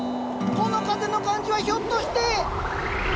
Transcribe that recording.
この風の感じはひょっとして！